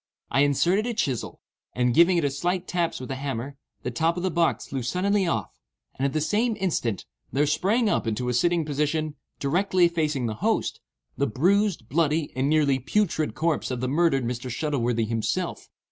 I inserted a chisel, and giving it a few slight taps with a hammer, the top of the box flew suddenly off, and at the same instant, there sprang up into a sitting position, directly facing the host, the bruised, bloody, and nearly putrid corpse of the murdered Mr. Shuttleworthy himself.